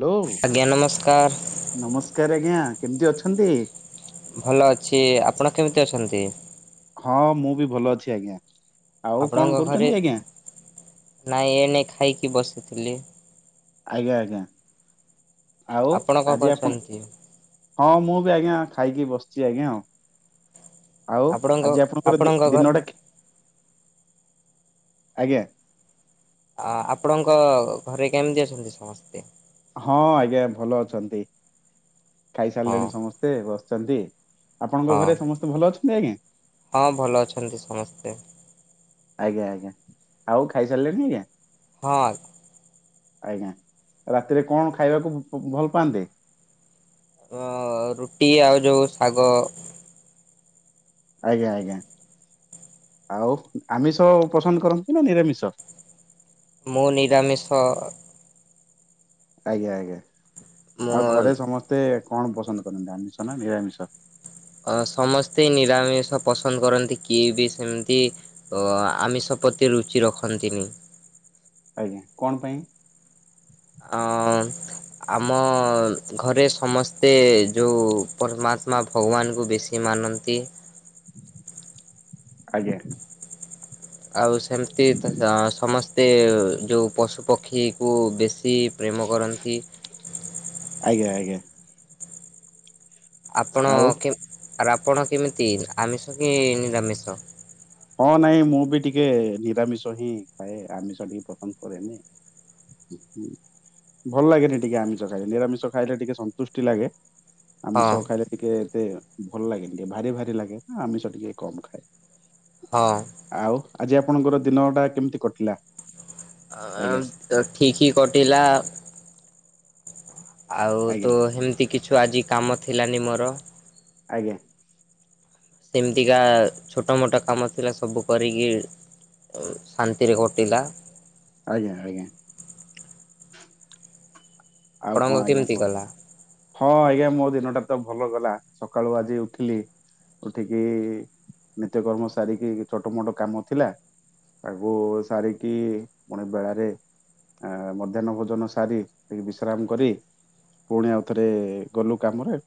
Hello ଆଜ୍ଞା ନମସ୍କାର। ନମସ୍କାର ଆଜ୍ଞା କେମିତି ଅଛନ୍ତି? ଭଲ ଅଛି ଆପଣ କେମିତି ଅଛନ୍ତି? ହଁ ମୁଁ ବି ଭଲ ଅଛି ଆଜ୍ଞା। ଆଉ କଣ ଆପଣଙ୍କ ଘରେ କରୁଛନ୍ତି ଆଜ୍ଞା? ନାଇଁ ଏଇନେ ଖାଇକି ବସିଥିଲି। ଆଜ୍ଞା ଆଜ୍ଞା ଆଉ ଆପଣ କଣ ଆଜି ଆପଣ କରୁଛନ୍ତି? ହଁ ମୁଁ ବି ଆଜ୍ଞା ଖାଇକି ବସିଛି ଆଜ୍ଞା ଆଉ। ଆଉ ଆପଣଙ୍କ ଆଜି ଆପଣଙ୍କର ଦି ଆପଣଙ୍କ ଘ ଦିନଟା ଆଜ୍ଞା। ଅ ଆପଣଙ୍କ ଘରେ କେମିତି ଅଛନ୍ତି ସମସ୍ତେ? ହଁ ଆଜ୍ଞା ଭଲ ଅଛନ୍ତି ହଁ ଖାଇସାରିଲେଣି ସମସ୍ତେ ବସିଛନ୍ତି। ଆପଣଙ୍କ ହଁ ଘରେ ସମସ୍ତେ ଭଲ ଅଛନ୍ତି ଆଜ୍ଞା? ହଁ ଭଲ ଅଛନ୍ତି ସମସ୍ତେ। ଆଜ୍ଞା ଆଜ୍ଞା ଆଉ ଖାଇସାରିଲେଣିି ଆଜ୍ଞା। ହଁ। ଆଜ୍ଞା ରାତିରେ କଣ ଖାଇବାକୁ ଭଲ ପାଆନ୍ତି? ଅ ରୁଟି ଆଉ ଯୋଉ ଶାଗ। ଆଜ୍ଞା ଆଜ୍ଞା ଆଉ ଆମିଷ ପସନ୍ଦ କରନ୍ତି ନା ନିରାମିଷ? ମୁଁ ନିରାମିଷ। ଆଜ୍ଞା ଆଜ୍ଞା ମୋ ଆଉ ଘରେ ସମସ୍ତେ କଣ ପସନ୍ଦ କରନ୍ତି ଆମିଷ ନା ନିରାମିଷ? ଅ ସମସ୍ତେ ନିରାମିଷ ପସନ୍ଦ କରନ୍ତି କିଏ ବି ସେମିତି। ତ ଆମିଷ ପତି ରୁଚି ରଖନ୍ତିନି। ଆଜ୍ଞା କଣ ପାଇଁ? ଅଁନ ଆମ ଘରେ ସମସ୍ତେ ଯୋଉ ପରମାତ୍ମା ଭଗବାନଙ୍କୁ ବେଶୀ ମାନନ୍ତି। ଆଜ୍ଞା। ଆଉ ସେମିତି ସମସ୍ତେ ଯେଉଁ ପଶୁପକ୍ଷୀକୁ ବେଶୀ। ପ୍ରେମ କରନ୍ତି। ଆଜ୍ଞା ଆଜ୍ଞା। ଆପଣ ଆଉ କେ ଆପଣ କେମିତି ଆମିଷ କି ନିରାମିଷ? ହଁ ନାଇଁ ମୁଁ ବି ଟିକେ ନିରାମିଷ ହିଁ ଖାଏ ଆମିଷ ଟିକେ ପସନ୍ଦ କରେନି। ଭଲ ଲାଗେନି ଟିକେ ଆମିଷ ଖାଇଲେ ନିରାମିଷ ଖାଇଲେ ଟିକେ ସନ୍ତୁଷ୍ଟି ଲାଗେ। ହଁ ଆମିଷ ଖାଇଲେ ଟିକେ ଏତେ ଭଲ ଲାଗେନି ଟିକେ ଭାରି ଭାରି ଲାଗେ ଆମିଷ ଟିକେ କମ ଖାଏ। ହଉ। ଆଉ ଆଜି ଆପଣଙ୍କର ଦିନ ଟା କେମିତି କଟିଲା? ଆଜ୍ଞା ଠିକି କଟିଲା। ଆଉ ଆଜ୍ଞା ତ ହେମିତି କିଛୁ ଆଜି କାମ ଥିଲାନି ମୋର। ଆଜ୍ଞା। ସେମିତିକା ଛୋଟ ମୋଟ କାମ ଥିଲା ସବୁ କରିଗି। ଶାନ୍ତିରେ କଟିଲା। ଆଜ୍ଞା ଆଜ୍ଞା। ଆଉ ଆପଣଙ୍କ କଣ ଆଜ୍ଞା କେମିତି କହ। ଗଲା? ହଁ ଆଜ୍ଞା ମୋ ଦିନଟା ତ ଭଲ ଗଲା ସକାଳୁ ଆଜି ଉଠିଲି। ଉଠିକି ନିତ୍ୟ କର୍ମ ସାରିକି ଛୋଟ ମୋଟ କାମ ଥିଲା। ତାକୁ ସାରିକି ପୁଣି ବେଳାରେ ଆ ମଧ୍ୟାହନ ଭୋଜନ ସାରି। ଟିକେ ବିଶ୍ରାମ କରି ପୁଣି ଆଉଥରେ ଗଲୁ କାମରେ।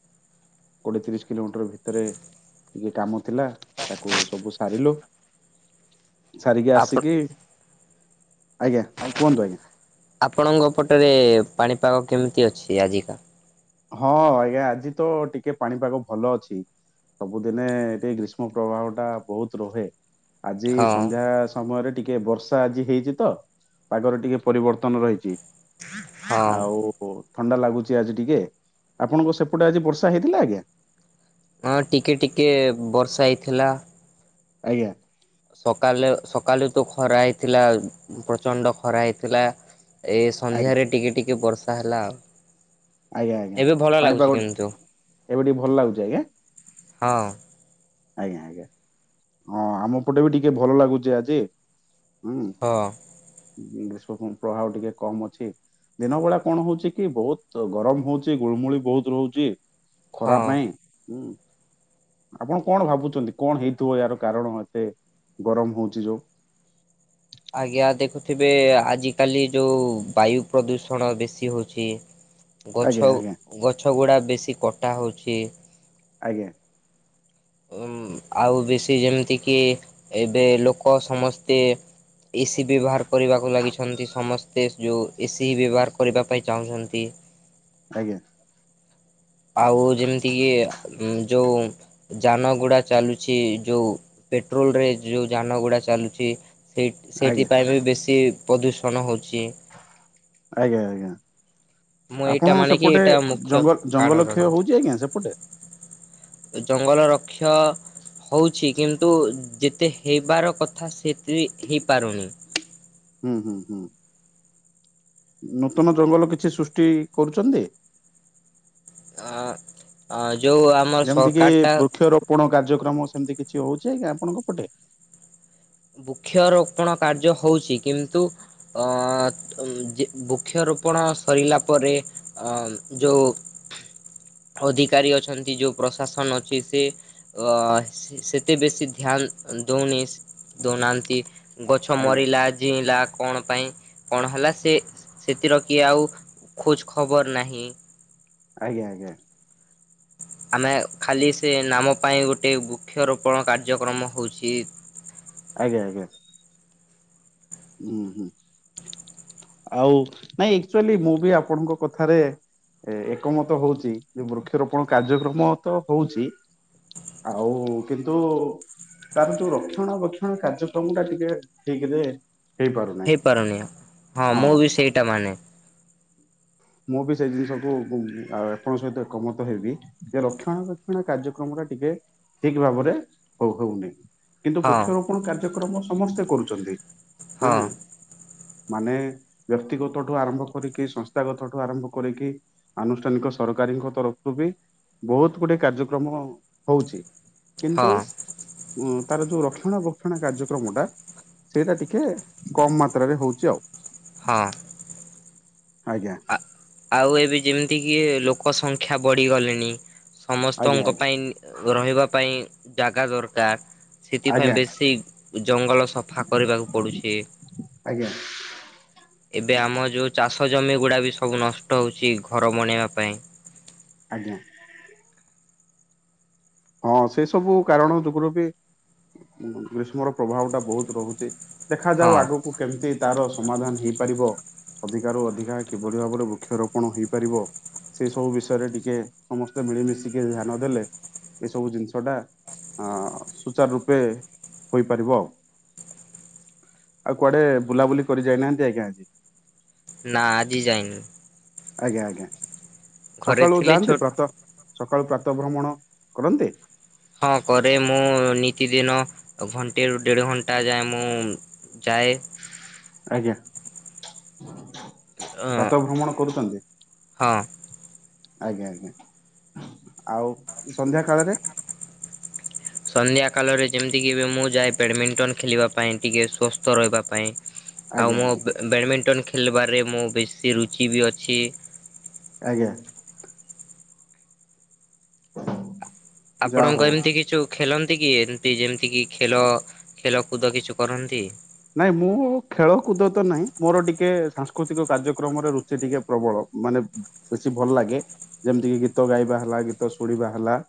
କୋଡିଏ ତିରିଶ କିଲୋମିଟର ଭିତରେ ଟିକେ କାମ ଥିଲା ତାକୁ ସବୁ ସାରିଲୁ। ସାରିକି ଆପଣ ଆସିକି ଆଜ୍ଞା କୁହନ୍ତୁ ଆଜ୍ଞା। ଆପଣଙ୍କ ପଟରେ ପାଣିପାଗ କେମିତି ଅଛି ଆଜିର? ହଁ ଆଜ୍ଞା ଆଜି ତ ଟିକେ ପାଣିପାଗ ଭଲ ଅଛି। ସବୁଦିନେ ଏଠି ଗ୍ରୀଷ୍ମ ପ୍ରଭାବଟା ବୋହୁତ୍ ରୁହେ। ଆଜି ହଁ ସନ୍ଧ୍ୟା ସମୟରେ ଟିକେ ବର୍ଷା ଆଜି ହେଇଛି ତ ପାଗରେ ଟିକେ ପରିବର୍ତ୍ତନ ରହିଛି। ହଁ ଆଉ ଥଣ୍ଡା ଲାଗୁଛି ଆଜି ଟିକେ। ଆପଣଙ୍କ ସେପଟେ ଆଜି ବର୍ଷା ହେଇଥିଲା ଆଜ୍ଞା? ହଁ ଟିକେ ଟିକେ ବର୍ଷା ହେଇଥିଲା। ଆଜ୍ଞା। ସକାଲେ ସକାଲୁ ତ ଖରା ହେଇଥିଲା। ପ୍ରଚଣ୍ଡ ଖରା ହେଇଥିଲା। ଏ ଆଜ୍ଞା ସନ୍ଧ୍ୟାରେ ଟିକେ ଟିକେ ବର୍ଷା ହେଲା ଆଉ। ଆଜ୍ଞା ଆଜ୍ଞା। ଏବେ ଭଲ ଲାଗୁଛି ପାଣିପାଗ ଗୋଟେ କିନ୍ତୁ ଏବେ ଟିକେ ଭଲ ଲାଗୁଛି ଆଜ୍ଞା। ହଁ। ଆଜ୍ଞା ଆଜ୍ଞା। ହଁ ଆମ ପଟେ ବି ଟିକେ ଭଲ ଲାଗୁଚେ ଆଜି। ହୁଁ। ହଁ। ଗ୍ରୀଷ୍ମ ପ୍ରଭାବ ଟିକେ କମ ଅଛି। ଦିନ ବେଳା କଣ ହଉଛି କି, ବୋହୁତ୍ ଗରମ ହଉଛି ଗୁଳିମୁଳି ବୋହୁତ୍ ରହୁଛି। ଖରା ହଁ। ପାଇଁ। ଉଁ ଆପଣ କଣ ଭାବୁଛନ୍ତି କଣ ହେଇଥିବ ଏଆର କାରଣ ଏତେ ଗରମ ହଉଛି ଯୋଉ? ଆଜ୍ଞା ଦେଖୁଥିବେ ଆଜିକାଲି ଯୋଉ ବାୟୁ ପ୍ରଦୂଷଣ ବେଶୀ ହେଉଛି। ଆଜ୍ଞା ଗଛ, ଆଜ୍ଞା ଗଛ ଗୁଡ଼ା ବେଶୀ କଟା ହେଉଛି। ଆଜ୍ଞା। ଆଉ ବେଶୀ ଯେମିତିକି ଏବେ ଲୋକ ସମସ୍ତେ ଏସିି ବ୍ୟବହାର କରିବାକୁ ଲାଗିଛନ୍ତି ସମସ୍ତେ। ଯୋଉ ଏସିି ବ୍ୟବହାର କରିବା ପାଇଁ ଚାହୁଁଛନ୍ତି। ଆଜ୍ଞା। ଆଉ ଯେମିତିକି, ଏ ଯୋଉ ଯାନ ଗୁଡା ଚାଲୁଛି ଯୋଉ, ପେଟ୍ରୋଲ୍ ରେ ଯୋଉ ଯାନ ଗୁଡା ଚାଲୁଛି ସେଇ, ଆଜ୍ଞା ସେଇଥିପାଇଁ ବି ବେଶୀ ପ୍ରଦୂଷଣ ହେଉଛି। ଆଜ୍ଞା ଆଜ୍ଞା। ମୁଁ ଏଇଟା ଆପଣ ମାନେ କି ସେପଟେ ଏଇଟା ମୁଖ୍ୟ ଜଙ୍ଗ- ଜଙ୍ଗଲ କାରଣ କ୍ଷୟ ହଉଛି ଆଜ୍ଞା ସେପଟେ? ଜଙ୍ଗଲ ରକ୍ଷ ହୋଉଛି କିନ୍ତୁ ଯେତେ ହେଇବାର କଥା ସେତେ ହେଇପାରୁନି। ହୁଁ ହୁଁ ହୁଁ। ନୂତନ ଜଙ୍ଗଲ କିଛି ସୃଷ୍ଟି କରୁଛନ୍ତି? ଅ, ଅ ଯୋଉ ଆ ଯେମିତି କି ବୃକ୍ଷରୋପଣ କାର୍ଯ୍ୟକ୍ରମ ସେମିତି କିଛି ହୋଉଛି କିଛି ଆପଣଙ୍କ ପଟେ? ବୃକ୍ଷରୋପଣ କାର୍ଯ୍ୟ ହଉଛି କିନ୍ତୁ ଅ ଯେ ବୃକ୍ଷରୋପଣ ସରିଲା ପରେ ଅ ଯୋଉ ଅଧିକାରୀ ଅଛନ୍ତି, ଯୋଉ ପ୍ରଶାସନ ଅଛି ସେ ଅ ସେତେ ବେଶୀ ଧ୍ୟାନ ଦଉନି। ଦଉନାହାନ୍ତି। ଗଛ ଆଜ୍ଞା ମରିଲା ଝିଇଁଲା କଣ ପାଇଁ କଣ ହେଲା ସେ ସେଥିର କିଏ ଆଉ ଖୋର୍ଚ୍ଚ ଖବର ନାହିଁ। ଆଜ୍ଞା ଆଜ୍ଞା। ଆମେ ଖାଲି ସେ ନାମ ପାଇଁ ଗୋଟେ ବୃକ୍ଷରୋପଣ କାର୍ଯ୍ୟକ୍ରମ ହୋଉଛି। ଆଜ୍ଞା ଆଜ୍ଞା। ହୁଁ ହୁଁ। ଆଉ ନାଇଁ ଆକ୍ଚୁଆଲି ମୁଁ ବି ଆପଣଙ୍କ କଥାରେ ଏ ଏକମତ ହଉଛି। ଯେ ବୃକ୍ଷରୋପଣ କାର୍ଯ୍ୟକ୍ରମ ତ ହୋଉଛି ଆଉ କିନ୍ତୁ ତାର ଯୋଉ ରକ୍ଷଣ, ବକ୍ଷଣ କାର୍ଯ୍ୟକ୍ରମ ଟା ଟିକେ ଠିକ୍ ରେ ହେଇପାରୁନାହିଁ ହେଇପାରୁନି ଆଉ। ହଁ ମୁଁ ବି ସେଇଟା ମାନେ। ମୁଁ ବି ସେ ଜିନିଷକୁ, ଉଁ ଆପଣଙ୍କ ସହିତ ଏକମତ ହେବି। ସେ ରକ୍ଷଣା ବକ୍ଷଣା କାର୍ଯ୍ୟକ୍ରମ ଟା ଟିକେ ଠିକ୍ ଭାବରେ ହଉ ହୋଉନି। କିନ୍ତୁ ହଁ ବୃକ୍ଷରୋପଣ କାର୍ଯ୍ୟକ୍ରମ ସମସ୍ତେ କରୁଛନ୍ତି। ଆ ହଁ ମାନେ ବ୍ୟକ୍ତିଗତ ଠୁ ଆରମ୍ଭ କରିକି ସଂସ୍ ସ୍ତା ଗାଥ ଠୁ ଆରମ୍ଭ କରିକି, ଆନୁଷ୍ଠାନିକ ସରକାରୀଙ୍କ ତରଫରୁ ବି ବହୁତ ଗୁଡେ କାର୍ଯ୍ୟକ୍ରମ ହଉଛି କିନ୍ତୁ ହଁ ଉ ତାର ଯୋଉ ରକ୍ଷଣ ବକ୍ଷଣ କାର୍ଯ୍ୟକ୍ରମ ଟା ସେଇଟା ଟିକେ କମ ମାତ୍ରରେ ହଉଛି ଆଉ। ହଁ। ଆଜ୍ଞା। ଆଉ ଏବେ ଯେମିତି କି ଲୋକ ସଂଖ୍ୟା ବଢି ଗଲେଣି। ଆଜ୍ଞା ସମସ୍ତଙ୍କ ଆଜ୍ଞା ପାଇଁ ରହିବା ପାଇଁ ଜାଗା ଦରକାର। ସେଥିପାଇଁ ଆଜ୍ଞା ବେଶୀ ଜଙ୍ଗଲ ସଫା କରିବାକୁ ପଡୁଛି। ଆଜ୍ଞା ଏବେ ଆମ ଯୋଉ ଚାଷ ଜମି ଗୁଡା ବି ସବୁ ନଷ୍ଟ ହଉଛି ଘର ବନେଇବା ପାଇଁ। ଆଜ୍ଞା। ହଁ ସେଇ ସବୁ କାରଣ ଯୋଗୁରୁ ବି ଗ୍ରୀଷ୍ମର ପ୍ରଭାବ ଟା ବହୁତ ରହୁଛି। ଦେଖାଯାଉ ହଁ ଆଗକୁ କେମିତି ତାର ସମାଧାନ ହେଇପାରିବ। ଅଧିକା ରୁ ଅଧିକା କିଭଳି ଭାବରେ ବୃକ୍ଷରୋପଣ ହେଇପାରିବ। ସେଇ ସବୁ ବିଷୟରେ ଟିକେ ସମସ୍ତେ ମିଳିମିଶି କି ଧ୍ୟାନ ଦେଲେ। ଏସବୁ ଜିନିଷଟା ସୁଚାର ରୂପେ ହୋଇପାରିବ ଆଉ। ଆଉ କୁଆଡେ ବୁଲାବୁଲି କରି ଯାଇନାହାନ୍ତି ଆଜ୍ଞା। ନା ଆଜି ଯାଇନି। ଆଜ୍ଞା ଆଜ୍ଞା ଘରେ ସକାଳୁ ଥିଲି ଯାଆନ୍ତି ଛୋଟ ପ୍ରାତ ସକାଳୁ ପ୍ରାତଃ ଭ୍ରମଣ କରନ୍ତି। ହଁ କରେ ମୁଁ ନିତିଦିନ ଘଣ୍ଟେ ରୁ ଦେଢ଼ ଘଣ୍ଟା ଯାଏ ମୁଁ ଯାଏ। ଆଜ୍ଞା ପ୍ରାତ ଭ୍ରମଣ କରୁଛନ୍ତି। ହଁ ଆଜ୍ଞା ଆଜ୍ଞା ଆଉ ସନ୍ଧ୍ୟା କାଳରେ। ସନ୍ଧ୍ୟା କାଳରେ ଯେମିତିକି ବି ମୁଁ ଯାଏ ବ୍ୟାଡ଼ମିଣ୍ଟନ ଖେଳିବା ପାଇଁ ଟିକେ ସୁସ୍ଥ ରହିବା ପାଇଁ। ଆଉ ଆଜ୍ଞା ମୋ ଆଜ୍ଞା ବ୍ୟାଡ଼ମିଣ୍ଟନ ଖେଳିବାରେ ମୁଁ ବେଶୀ ରୁଚି ବି ଅଛି। ଆଜ୍ଞା। [inaudible] ଯାହା ଆପଣଙ୍କ ହଉ ଏମିତି କିଛୁ ଖେଳନ୍ତି କି ଏମତି ଯେମିତି କି ଖେଳ ଖେଳକୁଦ କିଛି କରନ୍ତି। ନାଇଁ ମୁଁ ଖେଳ କୁଦ ତ ନାହିଁ ମୋର ଟିକେ ସାଂସ୍କୃତିକ କାର୍ଯ୍ୟକ୍ରମରେ ରୁଚି ଟିକେ ପ୍ରବଳ ମାନେ ବେଶୀ ଭଲ ଲାଗେ ଯେମିତି କିି ଗୀତ ଗାଇବା ହେଲା ଗୀତ ଶୁଣିବା ହେଲା।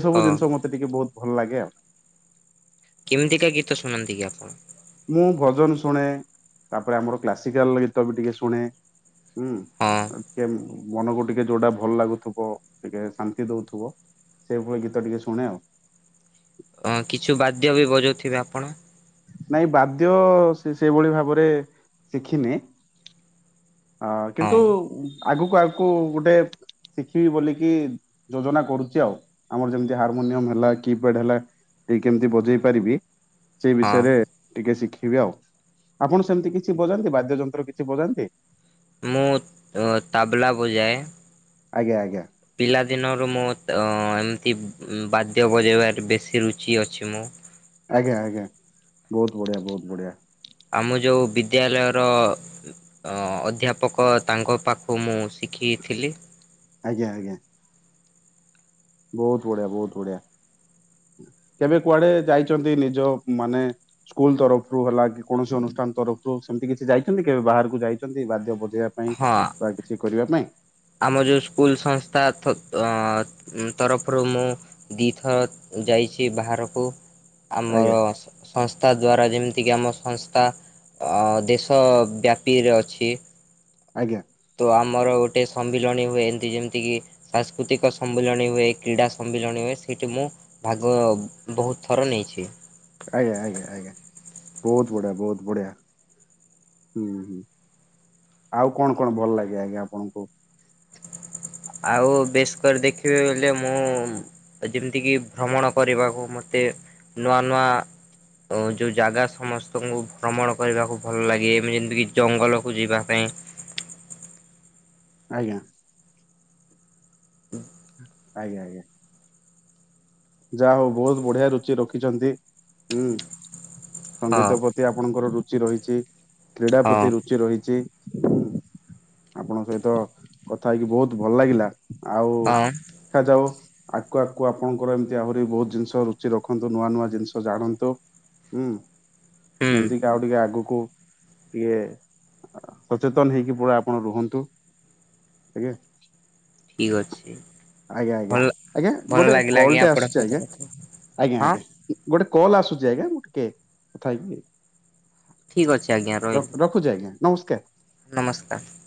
ଏସବୁ ହଁ ଜିନିଷ ମୋତେ ଟିକେ ବହୁତ ଭଲ ଲାଗେ ଆଉ। କେମିତିକା ଗୀତ ଶୁଣନ୍ତି କି ଆପଣ? ମୁଁ ଭଜନ ଶୁଣେ ତାପରେ ଆମର କ୍ଲାସିକାଲ ଗୀତ ବି ଟିକେ ଶୁଣେ। ହୁଁ ହଁ। କେମ ମନକୁ ଟିକେ ଯୋଉଟା ଭଲ ଲାଗୁଥିବ ଟିକେ ଶାନ୍ତି ଦଉଥିବ ସେଇଭଳି ଗୀତ ଟିକେ ଶୁଣେ ଆଉ। ହଁ କିଛି ବାଦ୍ୟ ବି ବଜଉଥିବେ ଆପଣ। ନାଇଁ ବାଦ୍ୟ ସେଇଭଳି ଭାବରେ ଶିଖିନି। ହଁ କିନ୍ତୁ ଆଗକୁ ଆଗକୁ ଗୋଟେ ଶିଖିବି ବୋଲି କି ଯୋଜନା କରୁଛି ଆଉ ଆମର ଯେମିତି ହାରମୋନିୟମ ହେଲା କିପ୍ୟାଡ ହେଲା। ଏଇ କେମିତି ବଜେଇ ପାରିବି। ସେଇ ହଁ ବିଷୟରେ ଟିକେ ଶିଖିବି ଆଉ ଆପଣ ସେମିତି କିଛି ବଜାନ୍ତି ବାଦ୍ୟ ଯନ୍ତ୍ର କିଛି ବଜାନ୍ତି। ମୁଁ ତାବଲା ବଜାଏ। ଆଜ୍ଞା ଆଜ୍ଞା। ପିଲାଦିନରୁ ମୁଁ ଅ ଏମିତି ବାଦ୍ୟ ବଜାଇବାରେ ବେଶୀ ରୁଚି ଅଛି ମୁଁ। ଆଜ୍ଞା ଆଜ୍ଞା ବହୁତ ବଢିଆ ବହୁତ ବଢିଆ। ଆମ ଯେଉଁ ବିଦ୍ୟାଳୟର ଅଧ୍ୟାପକ ତାଙ୍କ ପାଖକୁ ମୁଁ ଶିଖିଥିଲି। ଆଜ୍ଞା ଆଜ୍ଞା। ବହୁତ ବଢିଆ ବହୁତ ବଢିଆ କେବେ କୁଆଡେ ଯାଇଛନ୍ତି ନିଜ ମାନେ ସ୍କୁଲ ତରଫରୁ ହେଲା କି କୌଣସି ଅନୁଷ୍ଠାନ ତରଫରୁ ସେମିତି କିଛି ଯାଇଛନ୍ତି କେବେ ବାହାରକୁ ଯାଇଛନ୍ତି ବାଦ୍ୟ ବଜେଇବା ପାଇଁ ହଁ ବା କିଛି କରିବା ପାଇଁ। ଆମ ଯେଉଁ ସ୍କୁଲ୍ ସଂସ୍ଥା ତରଫରୁ ମୁଁ ଦୁଇଥର ଯାଇଛି ବାହାରକୁ ଆଜ୍ଞା ଆମର ସଂସ୍ଥା ଦ୍୍ୱାରା ଯେମିତିକି ଆମ ସଂସ୍ଥା ଦେଶବ୍ୟାପିରେ ଅଛି ଆଜ୍ଞା ତ ଆମର ଗୋଟେ ସମ୍ମିଳନୀ ହୁଏ ଏମତି ଯେମିତି କିି ସାଂସ୍କୃତିକ ସମ୍ମିଳନୀ ହୁଏ କ୍ରୀଡ଼ା ସମ୍ମିଳନୀ ହୁଏ ସେଇଠି ମୁଁ ଭାଗ ବହୁତ ଥର ନେଇଛି ଆଜ୍ଞା ଆଜ୍ଞା ଆଜ୍ଞା ବହୁତ ବଢିଆ ବହୁତ ବଢିଆ ହୁଁ ହୁଁ ଆଉ କଣ କଣ ଭଲ ଲାଗେ ଆଜ୍ଞା ଆପଣଙ୍କୁ? ଆଉ ବେଶୀ କରି ଦେଖିବି ବଲେ ମୁଁ ଯେମିତିକି ଭ୍ରମଣ କରିବାକୁ ମତେ ନୂଆ ନୂଆ ଓ ଯେଉଁ ଜାଗା ସମସ୍ତଙ୍କୁ ଭ୍ରମଣ କରିବାକୁ ଭଲ ଲାଗେମ ଯେମତିକି ଜଙ୍ଗଲକୁ ଯିବା ପାଇଁ ଆଜ୍ଞା। ହୁଁ। ଆଜ୍ଞ ଆଜ୍ଞ। ଯାହା ହଉ ବହୁତ ବଢିଆ ରୁଚି ରଖିଛନ୍ତି ହୁଁ ହଁ ସଙ୍ଗୀତ ଆପଣଙ୍କର ରୁଚି ରହିଛି କ୍ରୀଡ଼ା ହଁ ପ୍ରତି ରୁଚି ରହିଛି ଆପଣଙ୍କ ସହିତ କଥା ହେଇକି ବହୁତ ଭଲ ଲାଗିଲା। ଆଉ ହଁ ଦେଖାଯାଉ ଆକୁ ଆଗକୁ ଆପଣଙ୍କର ଏମତି ତି ଆହୁରି ବହୁତ ଜିନିଷ ରୁଚି ରଖନ୍ତୁ ନୂଆ ନୂଆ ଜିନିଷ ଜାଣନ୍ତୁ ହୁଁ ହୁଁ ଯେମତି ଆଉ ଟିକେ ଆଗକୁ ଟିକେ ସଚେତନ ହେଇକି ପୁରା ଆପଣ ରୁହନ୍ତୁ ଆଜ୍ଞା। ଫେରୁଛୁ କି? ଆଜ୍ଞା ଆଜ୍ଞା ଗୋଟେ କଲ୍ ଆଜ୍ଞା ଟେ ଆପଣଙ୍କ ଆସିଛି ସହିତ କଥା ହଁ ଆଜ୍ଞା। ଗୋଟେ କଲ୍ ଆସୁଛି ଆଜ୍ଞା ମୁଁ ଟିକେ କଥା ହେଇକି ଠିକ ଅଛି ଆଜ୍ଞା ରହିଲି। ରଖୁଛି ଆଜ୍ଞା ନମସ୍କାର। ନମସ୍କାର।